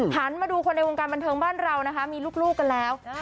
หันมาดูคนในวงการบันเทิงบ้านเรานะคะมีลูกกันแล้ว